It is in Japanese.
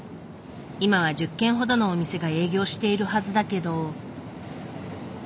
今は１０軒ほどのお店が営業しているはずだけど。